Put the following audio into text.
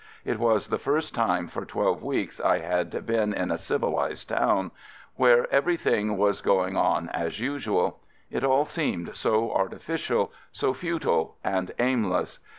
It was the first time for twelve weeks I had been in a civilized town, where everything was going FIELD SERVICE 115 on as usual. It all seemed so artificial, so futile and aimless.